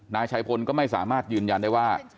นายชัยพลก็ไม่สามารถยืนยันได้ว่า